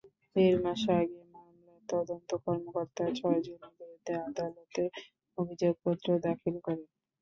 দেড় মাস আগে মামলার তদন্ত কর্মকর্তা ছয়জনের বিরুদ্ধে আদালতে অভিযোগপত্র দাখিল করেন।